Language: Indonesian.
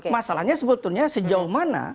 masalahnya sebetulnya sejauh mana